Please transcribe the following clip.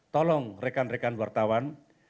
tolong rekan rekan wartawan